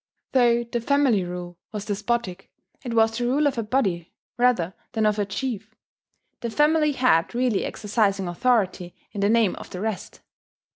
Though the family rule was despotic, it was the rule of a body rather than of a chief; the family head really exercising authority in the name of the rest